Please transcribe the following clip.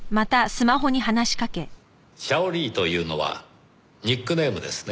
シャオリーというのはニックネームですね？